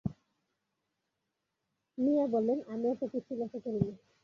মিয়া বললেন, আমি এত কিছু লক্ষ করি নি।